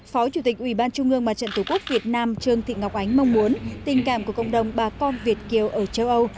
phó chủ tịch ubndtqvn trương thị ngọc ánh mong muốn tình cảm của cộng đồng bà con việt kiều ở châu âu